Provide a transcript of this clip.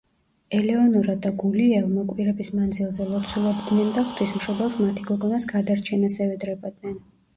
ელეონორა და გულიელმო კვირების მანძილზე ლოცულობდნენ და ღვთისმშობელს მათი გოგონას გადარჩენას ევედრებოდნენ.